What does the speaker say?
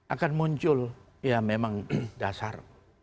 akan muncul ya memang dasar